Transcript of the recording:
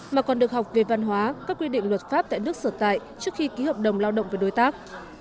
mà còn được học về văn hóa các quy định luật pháp tại nước sở tại trước khi ký hợp đồng lao động với đối tác